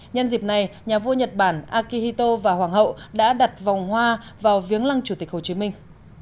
nhân dịp này nhà vua nhật bản akihito và hoàng hậu đã đặt vòng hoa vào viếng lăng chủ tịch hồ chí minh